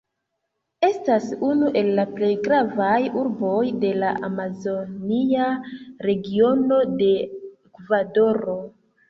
Estas unu el la plej gravaj urboj de la Amazonia Regiono de Ekvadoro.